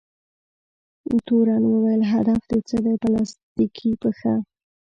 تورن وویل: هدف دې څه دی؟ پلاستیکي پښه؟